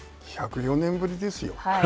１０４年ぶりですよ。